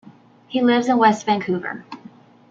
He lives in West Vancouver.